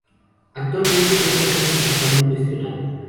Actualmente, esta tesis está muy cuestionada.